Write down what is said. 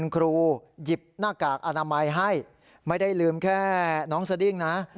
ครูหยิบหน้ากากอนามัยให้ไม่ได้ลืมแค่น้องสดิ้งนะ